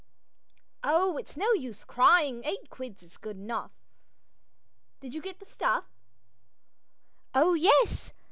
"Well, it's no use cryin'. Eight quid is good enough. Did you get the stuff?" "Oh, yes.